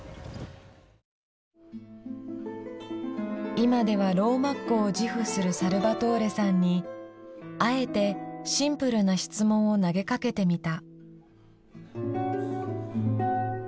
今ではローマっ子を自負するサルバトーレさんにあえてシンプルな質問を投げかけてみた。